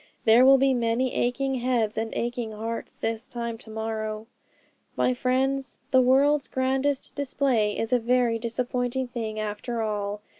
There will be many aching heads and aching hearts this time to morrow. 'My friends, the world's grandest display is a very disappointing thing after all.